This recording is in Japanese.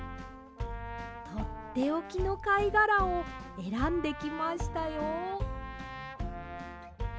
とっておきのかいがらをえらんできましたよ。